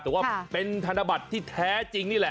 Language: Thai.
แต่ว่าเป็นธนบัตรที่แท้จริงนี่แหละ